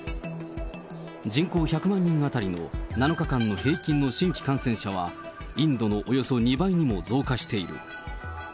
人口１００万人当たりの７日間の平均の新規感染者は、インドのおよそ２倍にも増加している。